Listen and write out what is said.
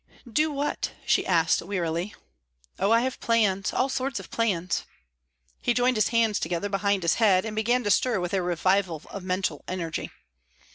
"Do what?" she asked, wearily. "Oh, I have plans; all sorts of plans." He joined his hands together behind his head, and began to stir with a revival of mental energy.